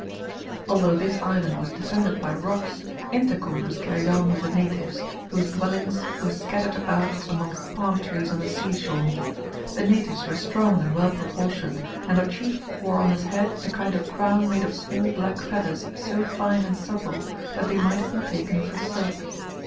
Although this island was defended by rocks, intercourse was carried on with the natives, whose dwellings were scattered about amongst palm trees on the sea shore. The natives were strong and well proportioned, and their chief wore on his head a kind of crown made of small black feathers so fine and supple that they might have been taken for silk.